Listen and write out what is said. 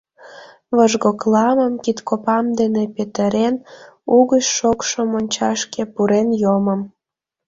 Вожгокламым кидкопам дене петырен, угыч шокшо мончашке пурен йомым.